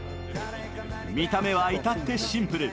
見た目は至ってシンプル。